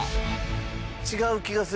違う気がする。